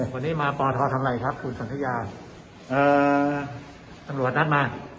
วันนี้มาป่าท้อทำอะไรครับคุณส่วนทุกอย่างอ่าตำรวจนัดมา